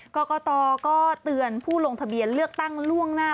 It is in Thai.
กรกตก็เตือนผู้ลงทะเบียนเลือกตั้งล่วงหน้า